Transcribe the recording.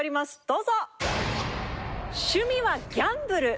どうぞ。